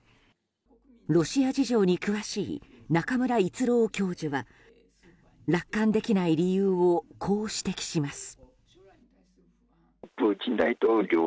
ロシア事情に詳しい中村逸郎教授は楽観できない理由をこう指摘します。